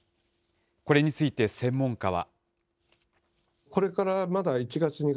これについて専門家は。